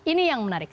ini yang menarik